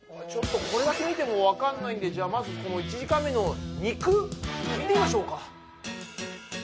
ちょっとこれだけ見てもわかんないんでじゃまず１時間目の「肉」見てみましょうか。